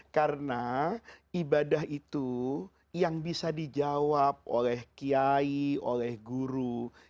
karena ibadah itu yang bisa dijawab oleh kiai oleh guru